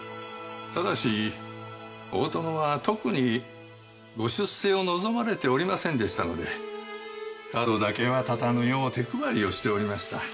ただし大殿は特にご出世を望まれておりませんでしたので角だけは立たぬよう手配りをしておりました。